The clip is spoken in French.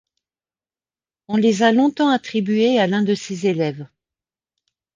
On les a longtemps attribuées à l'un de ses élèves.